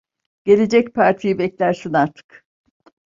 Gelecek partiyi beklersin artık!